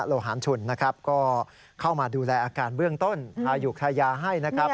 โหลหาหม์ฉุนก็เข้ามาดูแลอาการเบื้องต้นอายุคทายาให้นะครับ